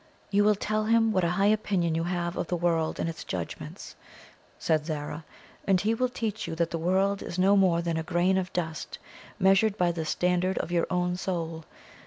"You will tell him what a high opinion you have of the world and its judgments," said Zara, "and he will teach you that the world is no more than a grain of dust, measured by the standard of your own soul.